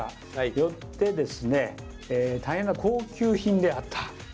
よってですね、大変な高級品であった。